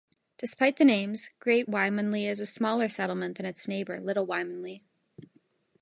Despite the names, Great Wymondley is a smaller settlement than its neighbour, Little Wymondley.